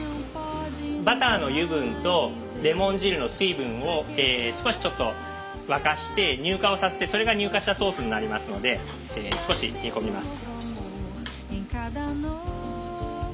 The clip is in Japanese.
バターの油分とレモン汁の水分を少しちょっと沸かして乳化をさせてそれが乳化したソースになりますので少し煮込みます。